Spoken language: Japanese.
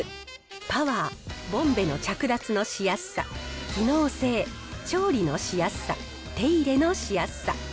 パワー、ボンベの着脱のしやすさ、機能性、調理のしやすさ、手入れのしやすさ。